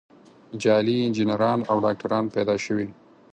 جعلي انجینران او ډاکتران پیدا شوي.